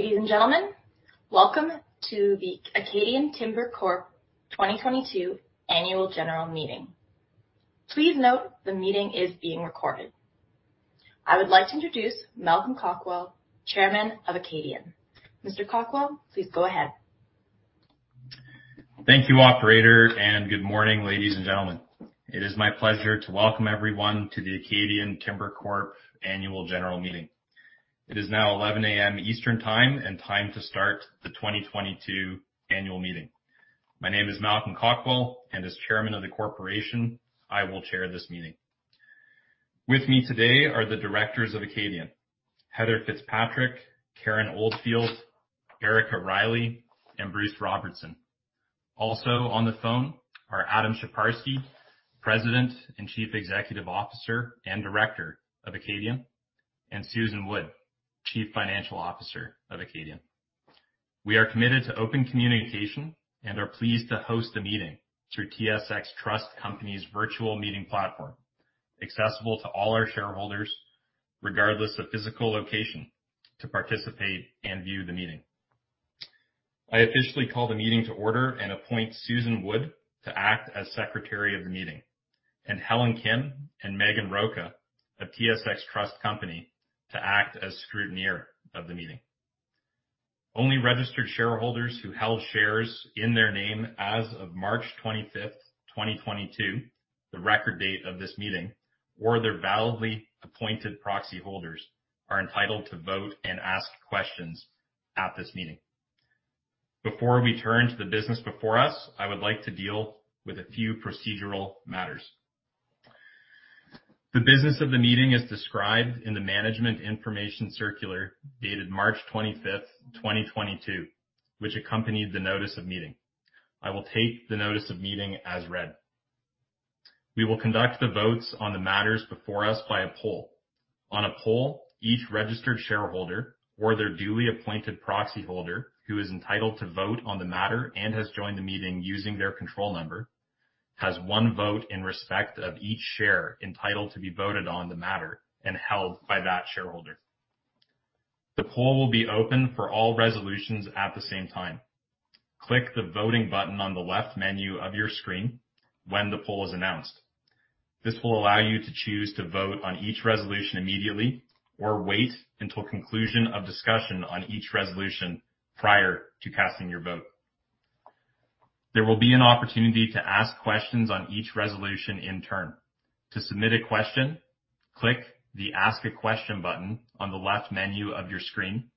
Ladies and gentlemen, welcome to the Acadian Timber Corp. 2022 Annual General Meeting. Please note the meeting is being recorded. I would like to introduce Malcolm Cockwell, Chairman of Acadian. Mr. Cockwell, please go ahead. Thank you, operator, and good morning, ladies and gentlemen. It is my pleasure to welcome everyone to the Acadian Timber Corp Annual General Meeting. It is now 11:00 A.M. Eastern Time and time to start the 2022 annual meeting. My name is Malcolm Cockwell, and as Chairman of the corporation, I will chair this meeting. With me today are the directors of Acadian, Heather Fitzpatrick, Karen Oldfield, Erika Reilly, and Bruce Robertson. Also on the phone are Adam Sheparski, President and Chief Executive Officer and Director of Acadian, and Susan Wood, Chief Financial Officer of Acadian. We are committed to open communication and are pleased to host a meeting through TSX Trust Company's virtual meeting platform, accessible to all our shareholders, regardless of physical location, to participate and view the meeting. I officially call the meeting to order and appoint Susan Wood to act as secretary of the meeting, and Helen Kim and Megan Rocha of TSX Trust Company to act as scrutineer of the meeting. Only registered shareholders who held shares in their name as of March 25th, 2022, the record date of this meeting, or their validly appointed proxy holders, are entitled to vote and ask questions at this meeting. Before we turn to the business before us, I would like to deal with a few procedural matters. The business of the meeting is described in the management information circular dated March 25th, 2022, which accompanied the notice of meeting. I will take the notice of meeting as read. We will conduct the votes on the matters before us by a poll. On a poll, each registered shareholder or their duly appointed proxy holder who is entitled to vote on the matter and has joined the meeting using their control number, has one vote in respect of each share entitled to be voted on the matter and held by that shareholder. The poll will be open for all resolutions at the same time. Click the voting button on the left menu of your screen when the poll is announced. This will allow you to choose to vote on each resolution immediately or wait until conclusion of discussion on each resolution prior to casting your vote. There will be an opportunity to ask questions on each resolution in turn. To submit a question, click the Ask a Question button on the left menu of your screen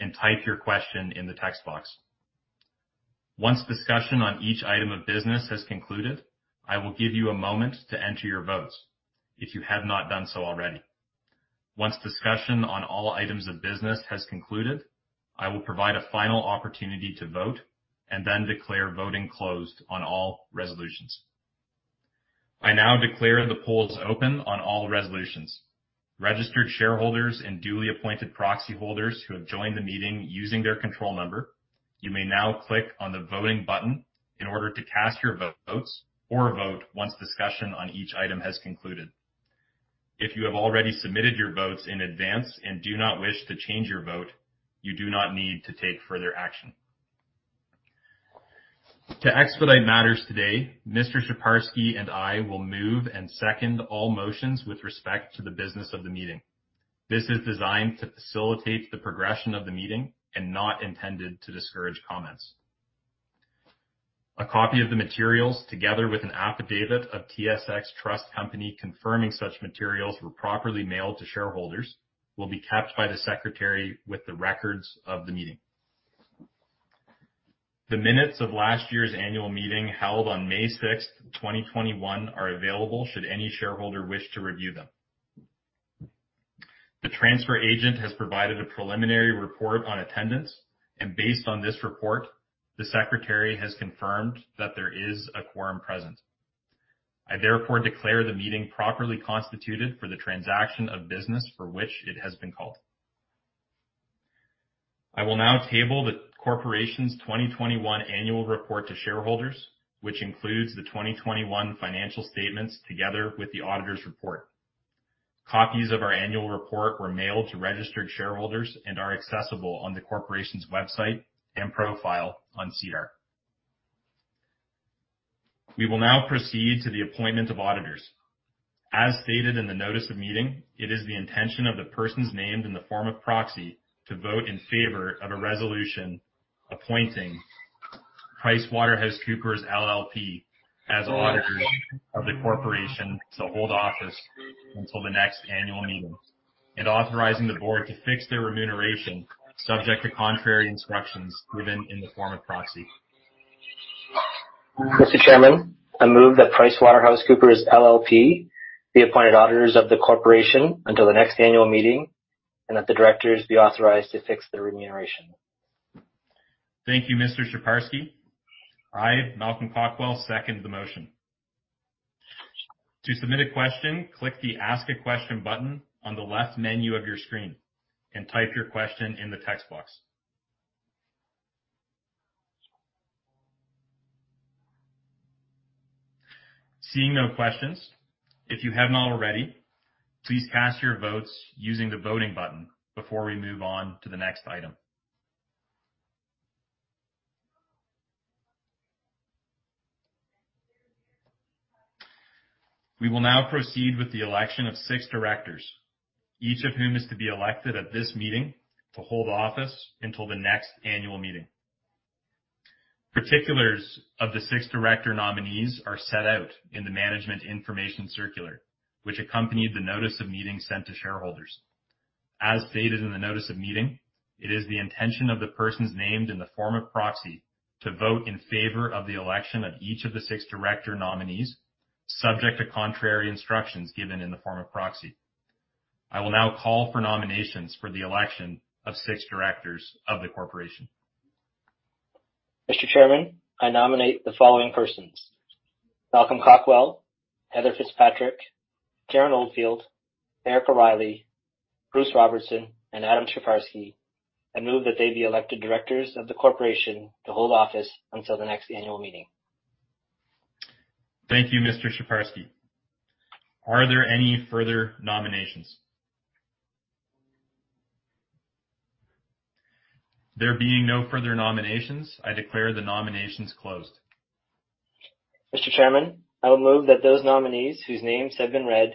and type your question in the text box. Once discussion on each item of business has concluded, I will give you a moment to enter your votes if you have not done so already. Once discussion on all items of business has concluded, I will provide a final opportunity to vote and then declare voting closed on all resolutions. I now declare the polls open on all resolutions. Registered shareholders and duly appointed proxy holders who have joined the meeting using their control number, you may now click on the voting button in order to cast your vote or votes once discussion on each item has concluded. If you have already submitted your votes in advance and do not wish to change your vote, you do not need to take further action. To expedite matters today, Mr. Sheparski and I will move and second all motions with respect to the business of the meeting. This is designed to facilitate the progression of the meeting and not intended to discourage comments. A copy of the materials, together with an affidavit of TSX Trust Company, confirming such materials were properly mailed to shareholders, will be kept by the secretary with the records of the meeting. The minutes of last year's annual meeting held on May 6, 2021, are available should any shareholder wish to review them. The transfer agent has provided a preliminary report on attendance. Based on this report, the secretary has confirmed that there is a quorum present. I therefore declare the meeting properly constituted for the transaction of business for which it has been called. I will now table the corporation's 2021 annual report to shareholders, which includes the 2021 financial statements together with the auditor's report. Copies of our annual report were mailed to registered shareholders and are accessible on the corporation's website and profile on SEDAR. We will now proceed to the appointment of auditors. As stated in the notice of meeting, it is the intention of the persons named in the form of proxy to vote in favor of a resolution appointing PricewaterhouseCoopers LLP as auditors of the corporation to hold office until the next annual meeting and authorizing the board to fix their remuneration subject to contrary instructions within the form of proxy. Mr. Chairman, I move that PricewaterhouseCoopers LLP be appointed auditors of the corporation until the next annual meeting, and that the directors be authorized to fix their remuneration. Thank you, Mr. Sheparski. I, Malcolm Cockwell, second the motion. To submit a question, click the Ask a Question button on the left menu of your screen and type your question in the text box. Seeing no questions, if you have not already, please cast your votes using the voting button before we move on to the next item. We will now proceed with the election of six directors, each of whom is to be elected at this meeting to hold office until the next annual meeting. Particulars of the six director nominees are set out in the management information circular, which accompanied the notice of meeting sent to shareholders. As stated in the notice of meeting, it is the intention of the persons named in the form of proxy to vote in favor of the election of each of the six director nominees, subject to contrary instructions given in the form of proxy. I will now call for nominations for the election of six directors of the corporation. Mr. Chairman, I nominate the following persons: Malcolm Cockwell, Heather Fitzpatrick, Karen Oldfield, Erika Reilly, Bruce Robertson, and Adam Sheparski, and move that they be elected directors of the corporation to hold office until the next annual meeting. Thank you, Mr. Sheparski. Are there any further nominations? There being no further nominations, I declare the nominations closed. Mr. Chairman, I will move that those nominees whose names have been read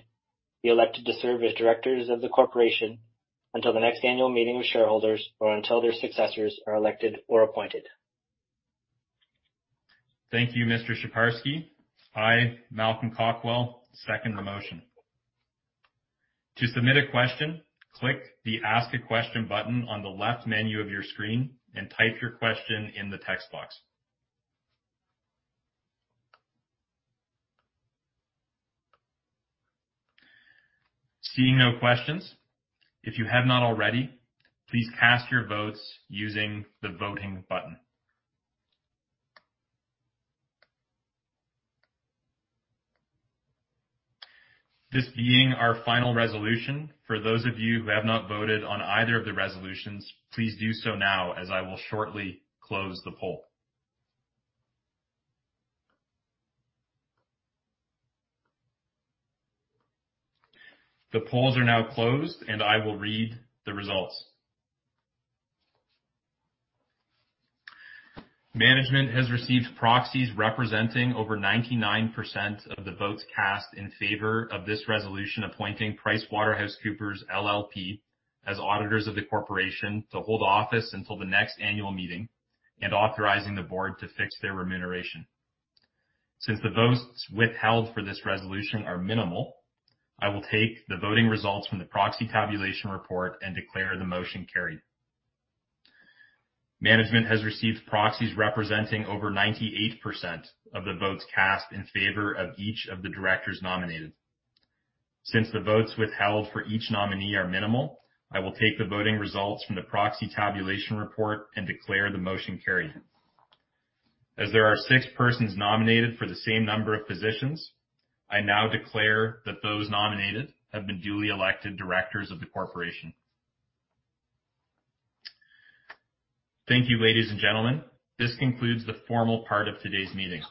be elected to serve as directors of the corporation until the next annual meeting of shareholders or until their successors are elected or appointed. Thank you, Mr. Sheparski. I, Malcolm Cockwell, second the motion. To submit a question, click the Ask a Question button on the left menu of your screen and type your question in the text box. Seeing no questions, if you have not already, please cast your votes using the voting button. This being our final resolution, for those of you who have not voted on either of the resolutions, please do so now as I will shortly close the poll. The polls are now closed, and I will read the results. Management has received proxies representing over 99% of the votes cast in favor of this resolution, appointing PricewaterhouseCoopers LLP as auditors of the corporation to hold office until the next annual meeting and authorizing the board to fix their remuneration. Since the votes withheld for this resolution are minimal, I will take the voting results from the proxy tabulation report and declare the motion carried. Management has received proxies representing over 98% of the votes cast in favor of each of the directors nominated. Since the votes withheld for each nominee are minimal, I will take the voting results from the proxy tabulation report and declare the motion carried. As there are six persons nominated for the same number of positions, I now declare that those nominated have been duly elected directors of the corporation. Thank you, ladies and gentlemen. This concludes the formal part of today's meeting.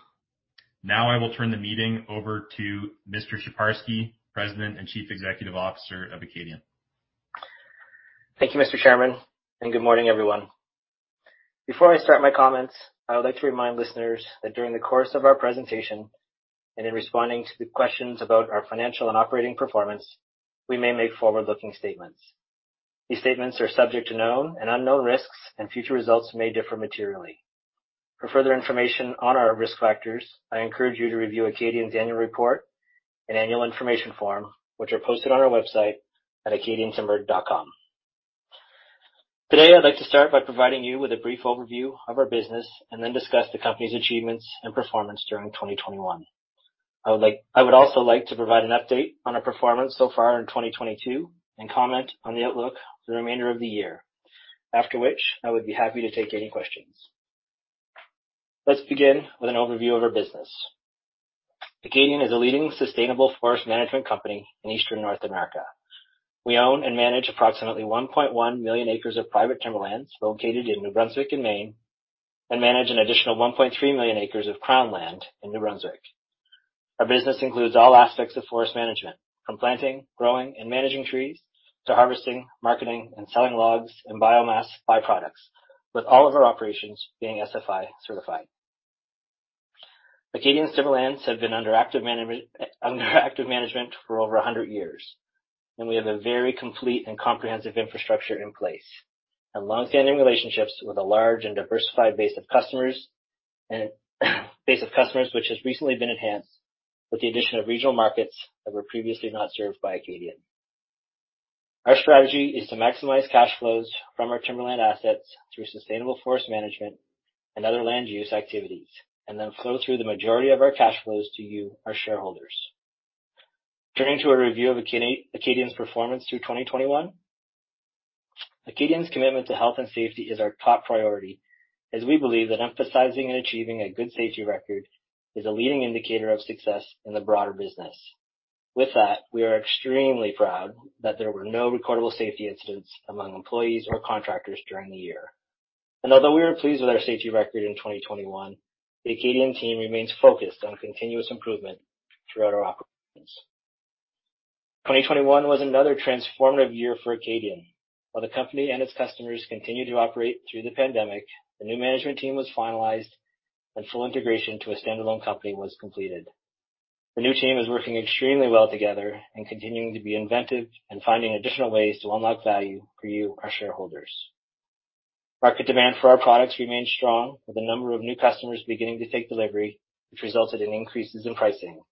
Now, I will turn the meeting over to Mr. Sheparski, President and Chief Executive Officer of Acadian. Thank you, Mr. Chairman, and good morning, everyone. Before I start my comments, I would like to remind listeners that during the course of our presentation and in responding to the questions about our financial and operating performance, we may make forward-looking statements. These statements are subject to known and unknown risks, and future results may differ materially. For further information on our risk factors, I encourage you to review Acadian's annual report and annual information form, which are posted on our website at acadiantimber.com. Today, I'd like to start by providing you with a brief overview of our business and then discuss the company's achievements and performance during 2021. I would also like to provide an update on our performance so far in 2022 and comment on the outlook for the remainder of the year. After which, I would be happy to take any questions. Let's begin with an overview of our business. Acadian is a leading sustainable forest management company in Eastern North America. We own and manage approximately 1.1 million acres of private timberlands located in New Brunswick and Maine, and manage an additional 1.3 million acres of Crown land in New Brunswick. Our business includes all aspects of forest management, from planting, growing, and managing trees to harvesting, marketing, and selling logs and biomass byproducts, with all of our operations being SFI certified. Acadian's timberlands have been under active management for over 100 years, and we have a very complete and comprehensive infrastructure in place and longstanding relationships with a large and diversified base of customers, which has recently been enhanced with the addition of regional markets that were previously not served by Acadian. Our strategy is to maximize cash flows from our timberland assets through sustainable forest management and other land use activities, and then flow through the majority of our cash flows to you, our shareholders. Turning to a review of Acadian's performance through 2021. Acadian's commitment to health and safety is our top priority, as we believe that emphasizing and achieving a good safety record is a leading indicator of success in the broader business. With that, we are extremely proud that there were no recordable safety incidents among employees or contractors during the year. Although we are pleased with our safety record in 2021, the Acadian team remains focused on continuous improvement throughout our operations. 2021 was another transformative year for Acadian. While the company and its customers continued to operate through the pandemic, the new management team was finalized and full integration to a standalone company was completed. The new team is working extremely well together and continuing to be inventive and finding additional ways to unlock value for you, our shareholders. Market demand for our products remained strong, with a number of new customers beginning to take delivery, which resulted in increases in pricing.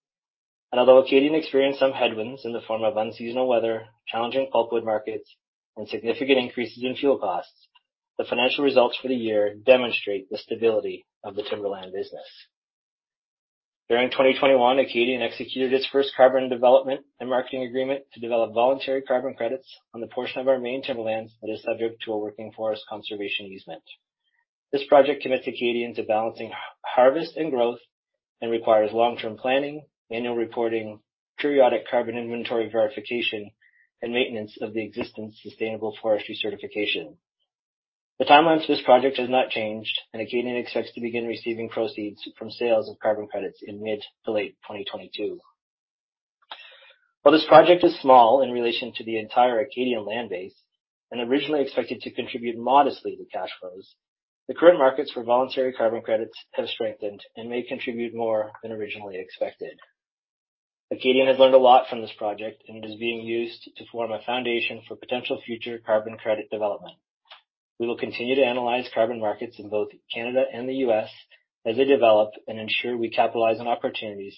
Although Acadian experienced some headwinds in the form of unseasonal weather, challenging pulpwood markets, and significant increases in fuel costs, the financial results for the year demonstrate the stability of the timberland business. During 2021, Acadian executed its first carbon development and marketing agreement to develop voluntary carbon credits on the portion of our Maine timberlands that is subject to a working forest conservation easement. This project commits Acadian to balancing harvest and growth, and requires long-term planning, annual reporting, periodic carbon inventory verification, and maintenance of the existing sustainable forestry certification. The timelines for this project has not changed, and Acadian expects to begin receiving proceeds from sales of carbon credits in mid-to-late 2022. While this project is small in relation to the entire Acadian land base and originally expected to contribute modestly to cash flows, the current markets for voluntary carbon credits have strengthened and may contribute more than originally expected. Acadian has learned a lot from this project, and it is being used to form a foundation for potential future carbon credit development. We will continue to analyze carbon markets in both Canada and the U.S. as they develop and ensure we capitalize on opportunities,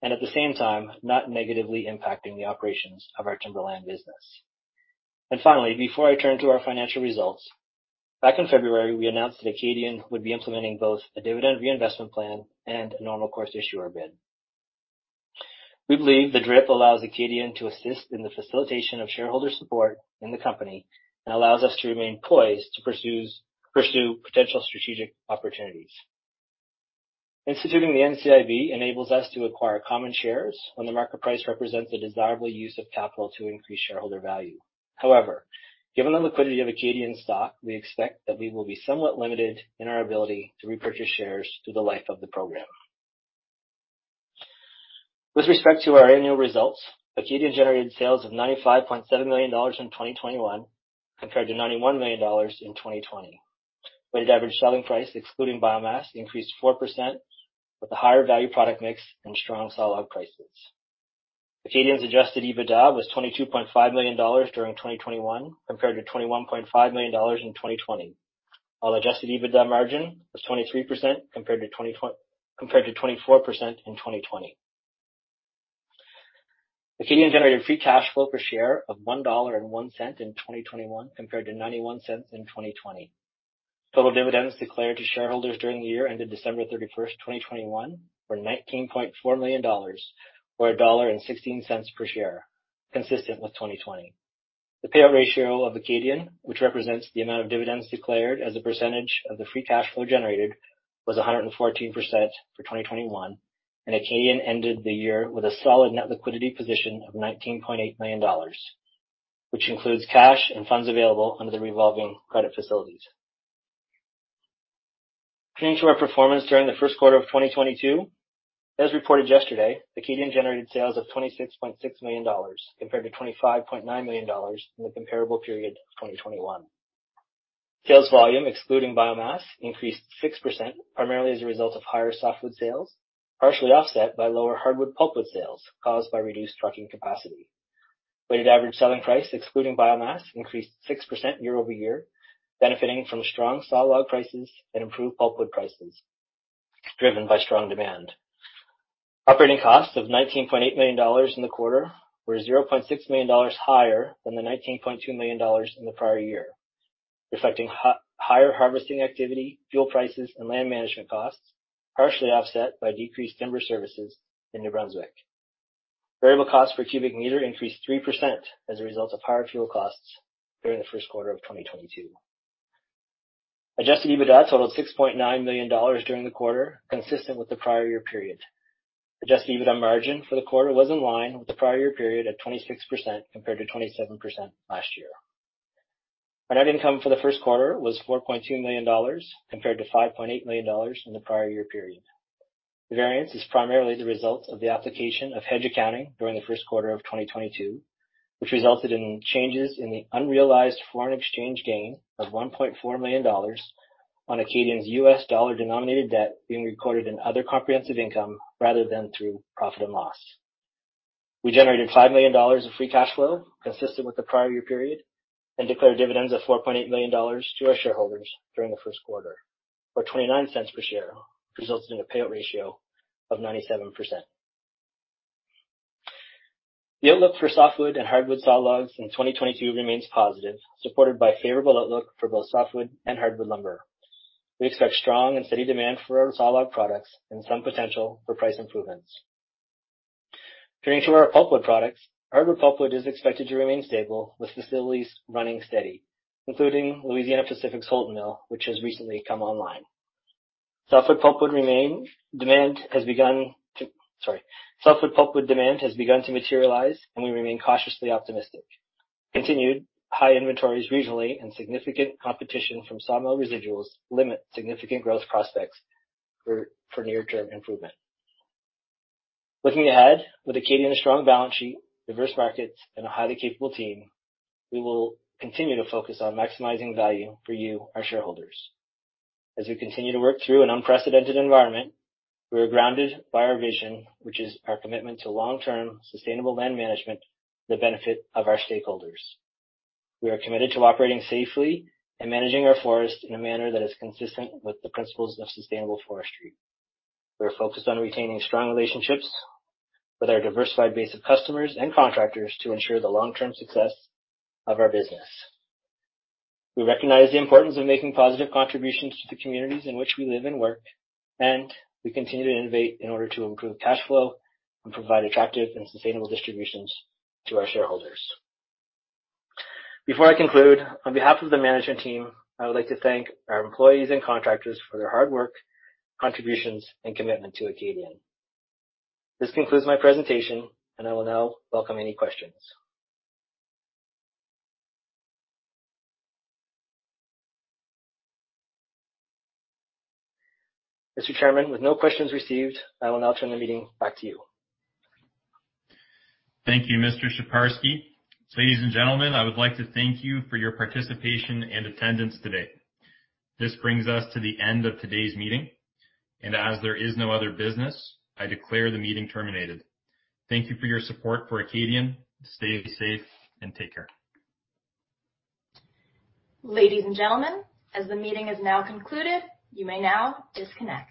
and at the same time, not negatively impacting the operations of our timberland business. Finally, before I turn to our financial results, back in February, we announced that Acadian would be implementing both a dividend reinvestment plan and a normal-course issuer bid. We believe the DRIP allows Acadian to assist in the facilitation of shareholder support in the company and allows us to remain poised to pursue potential strategic opportunities. Instituting the NCIB enables us to acquire common shares when the market price represents a desirable use of capital to increase shareholder value. However, given the liquidity of Acadian stock, we expect that we will be somewhat limited in our ability to repurchase shares through the life of the program. With respect to our annual results, Acadian generated sales of 95.7 million dollars in 2021 compared to 91 million dollars in 2020. Weighted average selling price, excluding biomass, increased 4% with a higher-value product mix and strong sawlog prices. Acadian's adjusted EBITDA was 22.5 million dollars during 2021 compared to 21.5 million dollars in 2020. Our adjusted EBITDA margin was 23% compared to 24% in 2020. Acadian generated free cash flow per share of 1.01 dollar in 2021 compared to 0.91 in 2020. Total dividends declared to shareholders during the year ended December 31, 2021, were 19.4 million dollars, or 1.16 dollar per share, consistent with 2020. The payout ratio of Acadian, which represents the amount of dividends declared as a percentage of the free cash flow generated, was 114% for 2021. Acadian ended the year with a solid net liquidity position of 19.8 million dollars, which includes cash and funds available under the revolving credit facilities. Turning to our performance during the first quarter of 2022. As reported yesterday, Acadian generated sales of 26.6 million dollars compared to 25.9 million dollars in the comparable period of 2021. Sales volume, excluding biomass, increased 6%, primarily as a result of higher softwood sales, partially offset by lower hardwood pulpwood sales caused by reduced trucking capacity. Weighted average selling price, excluding biomass, increased 6% year-over-year, benefiting from strong sawlog prices and improved pulpwood prices driven by strong demand. Operating costs of 19.8 million dollars in the quarter were 0.6 million dollars higher than the 19.2 million dollars in the prior year, reflecting higher harvesting activity, fuel prices, and land management costs, partially offset by decreased timber services in New Brunswick. Variable costs per cubic meter increased 3% as a result of higher fuel costs during the first quarter of 2022. Adjusted EBITDA totaled 6.9 million dollars during the quarter, consistent with the prior-year period. Adjusted EBITDA margin for the quarter was in line with the prior-year period of 26% compared to 27% last year. Our net income for the first quarter was 4.2 million dollars compared to 5.8 million dollars in the prior-year period. The variance is primarily the result of the application of hedge accounting during the first quarter of 2022, which resulted in changes in the unrealized foreign-exchange gain of $1.4 million on Acadian's U.S. dollar-denominated debt being recorded in other comprehensive income rather than through profit and loss. We generated 5 million dollars of free cash flow consistent with the prior-year period and declared dividends of 4.8 million dollars to our shareholders during the first quarter, or 0.29 per share, resulting in a payout ratio of 97%. The outlook for softwood and hardwood sawlogs in 2022 remains positive, supported by favorable outlook for both softwood and hardwood lumber. We expect strong and steady demand for our sawlog products and some potential for price improvements. Turning to our pulpwood products. Hardwood pulpwood is expected to remain stable, with facilities running steady, including Louisiana-Pacific's Houlton Mill, which has recently come online. Softwood pulpwood demand has begun to materialize, and we remain cautiously optimistic. Continued high inventories regionally and significant competition from sawmill residuals limit significant growth prospects for near-term improvement. Looking ahead, with Acadian's strong balance sheet, diverse markets, and a highly capable team, we will continue to focus on maximizing value for you, our shareholders. As we continue to work through an unprecedented environment, we are grounded by our vision, which is our commitment to long-term sustainable land management for the benefit of our stakeholders. We are committed to operating safely and managing our forest in a manner that is consistent with the principles of sustainable forestry. We are focused on retaining strong relationships with our diversified base of customers and contractors to ensure the long-term success of our business. We recognize the importance of making positive contributions to the communities in which we live and work, and we continue to innovate in order to improve cash flow and provide attractive and sustainable distributions to our shareholders. Before I conclude, on behalf of the management team, I would like to thank our employees and contractors for their hard work, contributions, and commitment to Acadian. This concludes my presentation, and I will now welcome any questions. Mr. Chairman, with no questions received, I will now turn the meeting back to you. Thank you, Mr. Sheparski. Ladies and gentlemen, I would like to thank you for your participation and attendance today. This brings us to the end of today's meeting, and as there is no other business, I declare the meeting terminated. Thank you for your support for Acadian. Stay safe and take care. Ladies and gentlemen, as the meeting is now concluded, you may now disconnect.